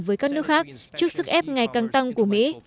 với các nước khác trước sức ép ngày càng tăng của mỹ